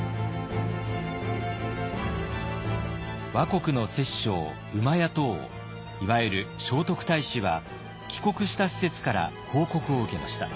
倭国の摂政厩戸王いわゆる聖徳太子は帰国した使節から報告を受けました。